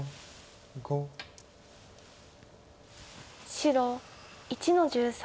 白１の十三。